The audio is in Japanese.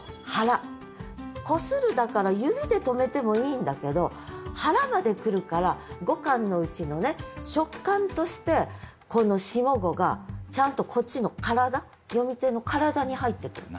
こするだから指で止めてもいいんだけど腹まで来るから五感のうちの触感としてこの下五がちゃんとこっちの体読み手の体に入ってくる。